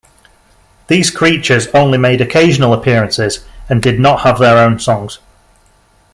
These creatures only made occasional appearances and did not have their own songs.